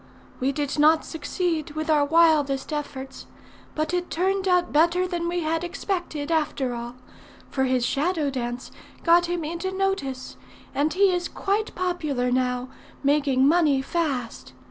We did not succeed, with our wildest efforts; but it turned out better than we had expected, after all; for his shadow dance got him into notice, and he is quite popular now, and making money fast.